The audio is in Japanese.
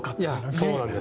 そうなんです。